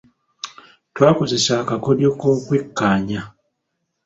Twakozesa akakodyo k’okwekkaanya.